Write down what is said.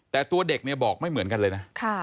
แต่ตัวเด็กเนี่ยบอกไม่เหมือนกันเลยนะ